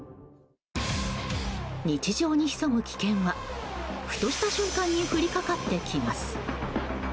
日常に潜む危険はふとした瞬間に降りかかってきます。